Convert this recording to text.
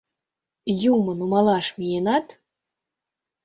Юмо нумалаш миенат?